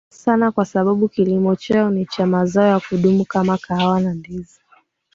sana kwa sababu kilimo chao ni cha mazao ya kudumu kama kahawa na ndizi